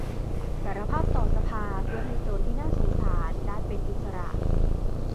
สารภาพต่อสภาเพื่อให้โจรที่น่าสงสารได้เป็นอิสระ